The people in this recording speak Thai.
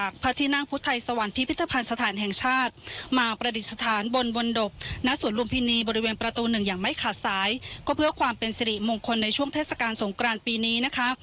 ก็เพื่อความเป็นสิริมงคลในช่วงเทศกาลสงกรานปีนี้นะคะ